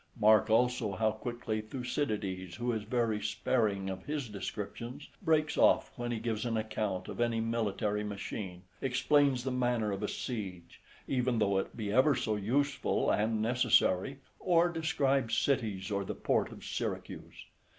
Mark, also, how quickly Thucydides, who is very sparing {66b} of his descriptions, breaks off when he gives an account of any military machine, explains the manner of a siege, even though it be ever so useful and necessary, or describes cities or the port of Syracuse.